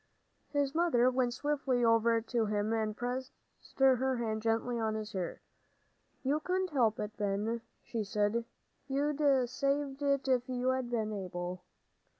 His mother went swiftly over to him and pressed her hand gently on his hair. "You couldn't help it, Ben," she said, "you'd 'a' saved it, if you'd been able."